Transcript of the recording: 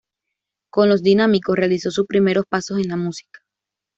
Con Los Dinámicos realizó sus primeros pasos en la música.